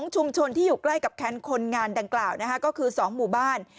ชุมชนที่อยู่ใกล้กับแคมป์คนงานดังกล่าวก็คือ๒หมู่บ้าน